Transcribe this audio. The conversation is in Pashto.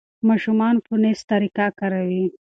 ماشومان فونس طریقه کاروي.